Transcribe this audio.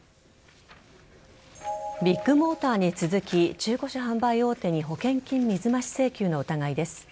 ビッグモーターに続き中古車販売大手に保険金水増し請求の疑いです。